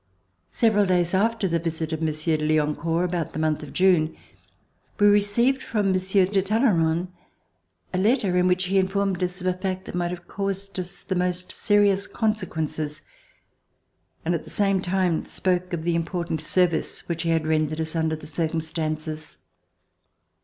Several days after the visit of Monsieur de Lian court, about the month of June, we received from Monsieur de Talleyrand a letter in which he in formed us of a fact that might have caused us the most serious consequences, and at the same time spoke of the important service which he had rendered us under the circumstances.